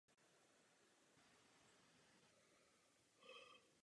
Pro svou analýzu použil londýnské seznamy datované před vypuknutím Velkého moru.